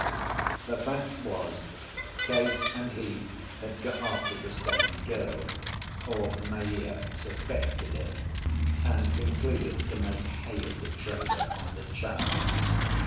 The fact was, Case and he had got after the same girl; or Maea suspected it, and concluded to make hay of the trader on the chance.